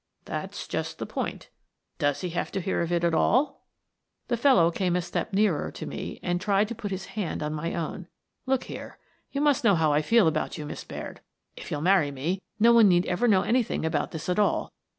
" That's just the point : does he have to hear of it at all ?" The fellow came a step nearer to me and tried to put his hand on my own. " Look here. You must know how I feel about you, Miss Baird. If you'll marry me, no one need ever know anything about this at all.